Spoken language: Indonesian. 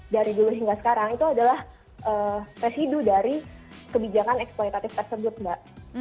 dari dulu hingga sekarang itu adalah residu dari kebijakan eksploitatif tersebut mbak